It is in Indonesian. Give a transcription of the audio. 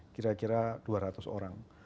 kira kira dua ratus orang